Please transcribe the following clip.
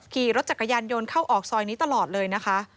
ขี่รถจักรยานยนต์เข้าออกซอยนี้ตลอดเลยนะคะ